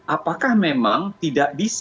apakah memang tidak bisa